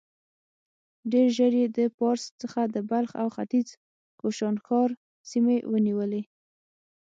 ډېر ژر يې د پارس څخه د بلخ او ختيځ کوشانښار سيمې ونيولې.